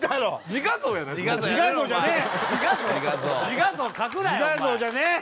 自画像じゃねえ！